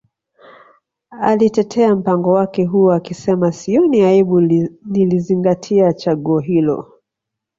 Alitetea mpango wake huo akisema Sioni aibu nilizingatia chaguo hilo